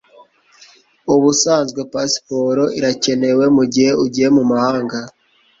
Ubusanzwe pasiporo irakenewe mugihe ugiye mumahanga